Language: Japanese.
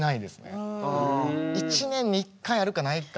１年に１回あるかないか。